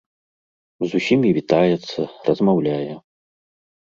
З усімі вітаецца, размаўляе.